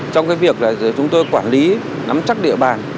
trong việc chúng tôi quản lý nắm chắc địa bàn